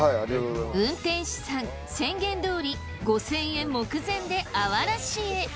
運転手さん宣言どおり５，０００円目前であわら市へ。